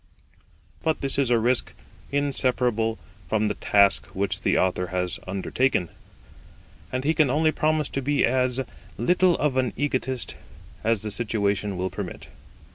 But this is a risk inseparable from the task which the Author has undertaken, and he can only promise to be as little of an egotist as the situation will permit.